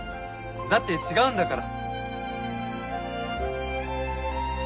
だって違うんだから。